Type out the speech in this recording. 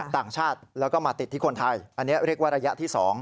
ต่างชาติแล้วก็มาติดที่คนไทยอันนี้เรียกว่าระยะที่๒